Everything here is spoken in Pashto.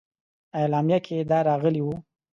اعلامیه کې دا راغلي وه.